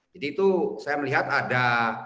jadi itu saya melihat ada